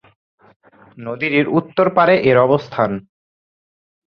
নদীটির উত্তর পাড়ে এর অবস্থান।